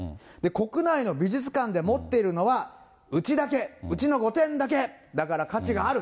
国内の美術館で持っているのは、うちだけ、うちの５点だけ。